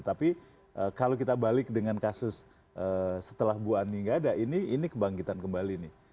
tapi kalau kita balik dengan kasus setelah bu ani nggak ada ini kebangkitan kembali nih